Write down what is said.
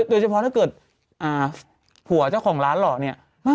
โดยเฉพาะถ้าเกิดหัวจะของร้านหล่อนี่